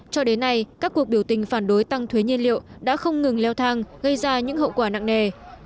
cho đến nay các cuộc biểu tình phản đối tăng thuế nhiên liệu đã không ngừng leo thang gây ra những hậu quả nặng nề